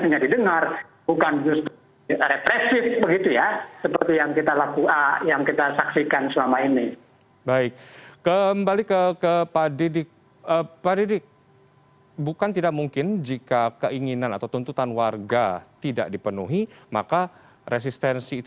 tidak berdasarkan aspirasi